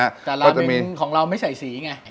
แต่เราเป็นของเราไม่ใส่สีไง